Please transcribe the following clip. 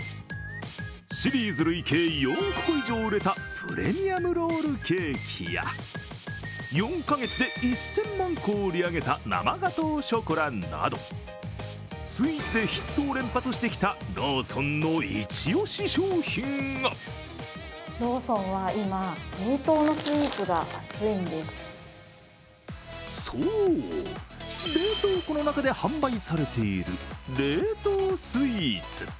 シリーズ累計４億個以上、売れたプレミアムロールケーキや４カ月で１０００万個を売り上げた生ガトーショコラなどスイーツでヒットを連発してきたローソンのイチ押し商品がそう冷凍庫の中で販売されている冷凍スイーツ。